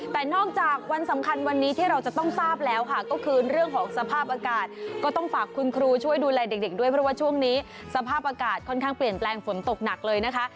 แต่นอกจากวันสำคัญวันนี้ที่เราจะต้องทราบแล้วค่ะก็คือเรื่องของสภาพอากาศก็ต้องฝากคุณครูช่วยดูแลเด็กด้วยเพราะว่าช่วงนี้สภาพอากาศค่อนข้างเปลี่ยนแปลงฝนตกหนักเลยนะคะ